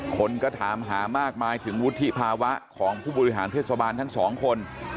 คนก็ถามหามากมายถึงวุฒิภาวะของผู้บริหารเทศบาลทั้งสองคน